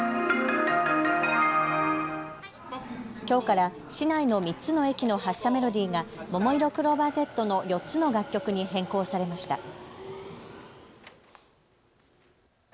きょうから市内の３つの駅の発車メロディーがももいろクローバーＺの４つの楽曲に変更されました。